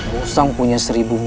musang punya seribu muslihat